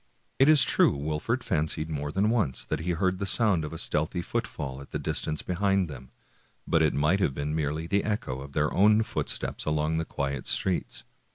It is true Wolfert fancied more than once that he heard the sound of a stealthy foot fall at a distance behind them; but it might have been merely the echo of their own steps along the quiet streets.